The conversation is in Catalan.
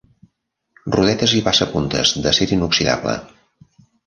Rodetes i passapuntes d'acer inoxidable.